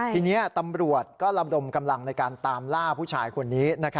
ทีนี้ตำรวจก็ระดมกำลังในการตามล่าผู้ชายคนนี้